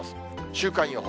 週間予報。